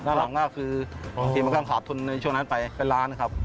หลังก็คือทีมมันก็ขาดทุนในช่วงนั้นไปเป็นล้านครับ